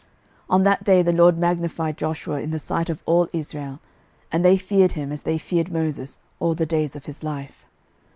06:004:014 On that day the LORD magnified Joshua in the sight of all Israel; and they feared him, as they feared Moses, all the days of his life.